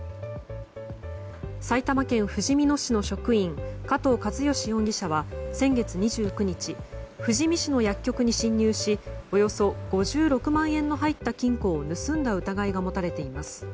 埼玉県ふじみ野市の職員加藤和儀容疑者は先月２９日富士見市の薬局に侵入しおよそ５６万円の入った金庫を盗んだ疑いが持たれています。